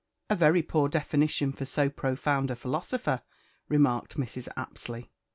'" "A very poor definition for so profound a philosopher," remarked Mrs. Apsley.